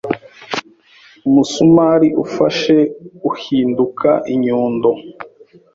Umusumari ufashe uhinduka inyundo.